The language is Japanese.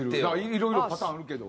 いろいろパターンあるけど。